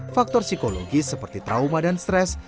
faktor psikologis seperti trauma dan stres